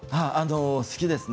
好きですね。